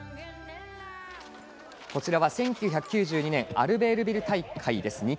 こちらは１９９２年アルベールビル大会です。